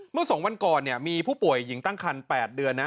เมื่อ๒วันก่อนมีผู้ป่วยหญิงตั้งคัน๘เดือนนะ